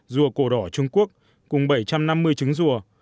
rùa cổ đỏ trung quốc cùng bảy trăm năm mươi trứng rùa